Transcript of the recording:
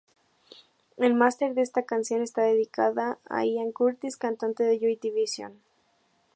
El máster de esta canción está dedicado a Ian Curtis, cantante de Joy Division.